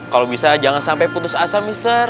kalau bisa jangan sampai putus asa mister